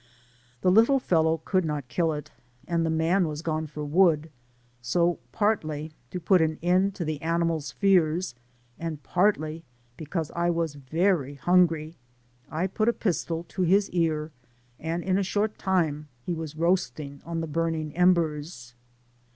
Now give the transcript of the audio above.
The little fellow could not kill it, and the man was gone for wood ; Digitized byGoogk IM PASSAGE ACROSS SO partly to put an end to the animaTs feats^ und partly because I Was very hungry, I put a pistol to his ear, and in a short time he was roasting on the burning embers.